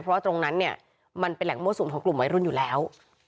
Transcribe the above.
เพราะว่าตรงนั้นเนี่ยมันเป็นแหล่งมั่วสุมของกลุ่มวัยรุ่นอยู่แล้ว